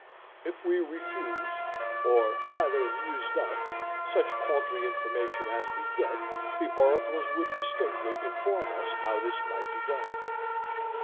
If we refused, or rather used up, such paltry information as we get, the oracles would distinctly inform us how this might be done.